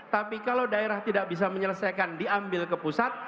tapi kalau daerah tidak bisa menyelesaikan diambil ke pusat